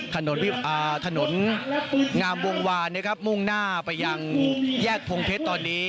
ถนนถนนงามวงวานนะครับมุ่งหน้าไปยังแยกพงเพชรตอนนี้